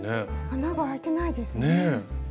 穴があいてないですね。